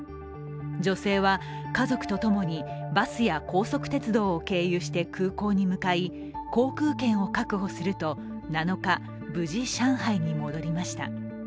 女性は、家族とともにバスや高速鉄道を経由して空港に向かい、航空券を確保すると７日、無事上海に戻りました。